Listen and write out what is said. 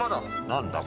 何だ？